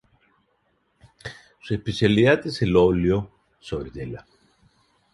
Su especialidad es el óleo sobre tela.